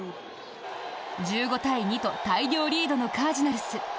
１５対２と大量リードのカージナルス。